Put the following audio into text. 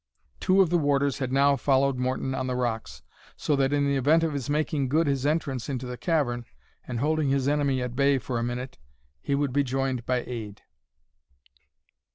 Two of the warders had now followed Morton on the rocks, so that in the event of his making good his entrance into the cavern, and holding his enemy at bay for a minute, he would be joined by aid.